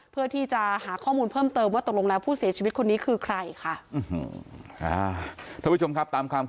เพื่อที่จะหาข้อมูลเพิ่มเติมว่าตกลงแล้วผู้เสียชีวิตคนนี้คือใครค่ะ